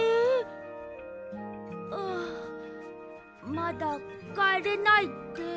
まだかえれないって。